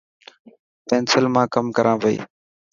پينسل مان ڪم ڪران پئي.